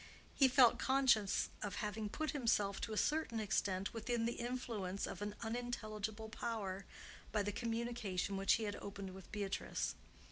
He felt conscious of having put himself, to a certain extent, within the influence of an unintelligible power by the communication which he had opened with Beatrice.